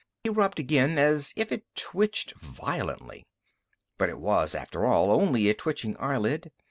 He rubbed again, as if it twitched violently. But it was, after all, only a twitching eyelid.